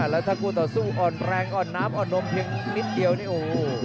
แล้วถ้าคู่ต่อสู้อ่อนแรงอ่อนน้ำอ่อนนมเพียงนิดเดียวนี่โอ้โห